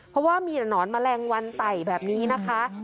เพราะว่ามีแต่หนอนแมลงวันไต่แบบนี้นะคะ